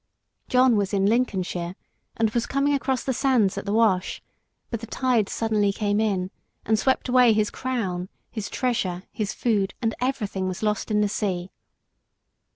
John was in Lincolnshire, and was coming across the sands at the Wash, but the tide suddenly came in and swept away his crown, his treasure, his food, and everything was lost in the sea.